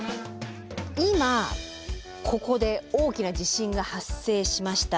今ここで大きな地震が発生しました。